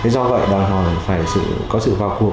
do vậy đòi hỏi phải có sự vào cuộc